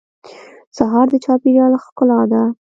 سهار د چاپېریال ښکلا ده.